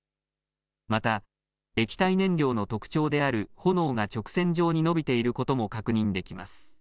また液体燃料の特徴である炎が直線状に伸びていることも確認できます。